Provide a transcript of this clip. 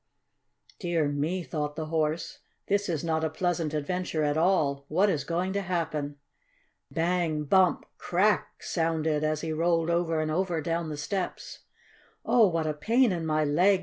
"Dear me!" thought the Horse, "This is not a pleasant adventure at all! What is going to happen?" "Bang! Bump! Crack!" sounded he rolled over and over down the steps. "Oh, what a pain in my leg!"